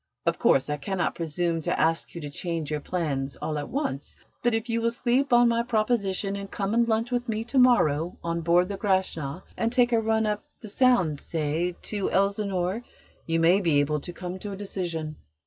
Of course, I cannot presume to ask you to change your plans all at once, but if you will sleep on my proposition and come and lunch with me to morrow on board the Grashna and take a run up the Sound, say, to Elsinore, you may be able to come to a decision."